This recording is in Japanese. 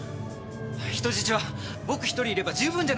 人質は僕１人いれば十分じゃないですか！